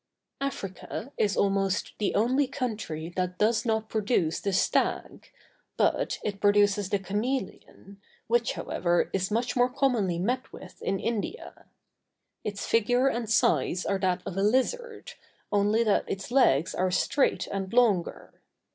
Africa is almost the only country that does not produce the stag, but it produces the chameleon, which, however, is much more commonly met with in India. Its figure and size are that of a lizard, only that its legs are straight and longer.